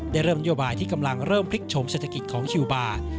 ได้เริ่มนโยบายที่กำลังเริ่มพลิกชมเศรษฐกิจของคิวบาร์